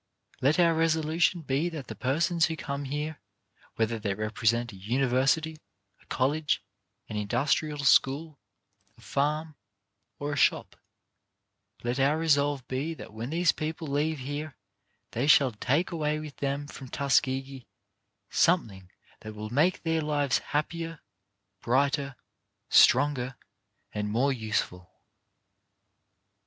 Let our resolution be that the persons who come here, whether they represent a university, a college, an industrial school, a farm, or a shop — let our resolve be that when these people leave here they shall take away with them from Tuskegee something that will make their lives happier, brighter, stronger and more useful.